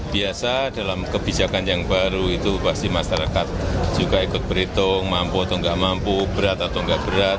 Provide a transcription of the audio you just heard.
biasa dalam kebijakan yang baru itu pasti masyarakat juga ikut berhitung mampu atau enggak mampu berat atau enggak berat